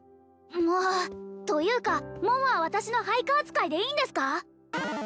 もうというか桃は私の配下扱いでいいんですか？